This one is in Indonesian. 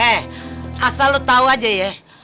eh asal lo tau aja ya